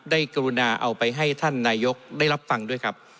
กรุณาเอาไปให้ท่านนายกได้รับฟังด้วยครับ